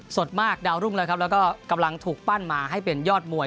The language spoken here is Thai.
สดมากดาวรุ่งแล้วครับแล้วก็กำลังถูกปั้นมาให้เป็นยอดมวย